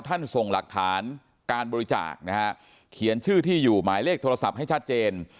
ส่งหลักฐานการบริจาคนะฮะเขียนชื่อที่อยู่หมายเลขโทรศัพท์ให้ชัดเจน